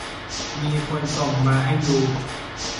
มีคนส่งมาให้ดู